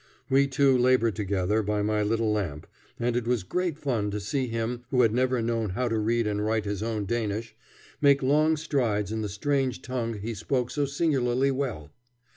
We two labored together by my little lamp, and it was great fun to see him who had never known how to read and write his own Danish make long strides in the strange tongue he spoke so singularly well.